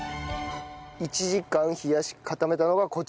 １時間冷やし固めたのがこちら。